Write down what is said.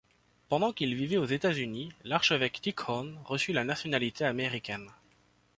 Pendant qu'il vivait aux États-Unis, l'archevêque Tikhon reçut la nationalité américaine.